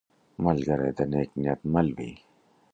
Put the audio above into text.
ملګری د نیک نیت مل وي